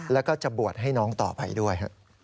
แล้วก็จะบวชให้น้องต่อไปด้วย